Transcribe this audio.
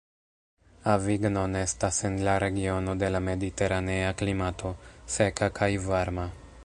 Avignon estas en la regiono de la mediteranea klimato, seka kaj varma.